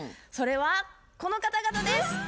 それはこの方々です。